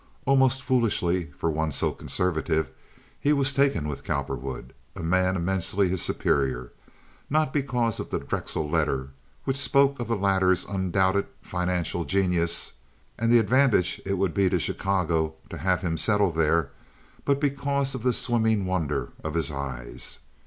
Almost foolishly, for one so conservative, he was taken with Cowperwood—a man immensely his superior—not because of the Drexel letter, which spoke of the latter's "undoubted financial genius" and the advantage it would be to Chicago to have him settle there, but because of the swimming wonder of his eyes.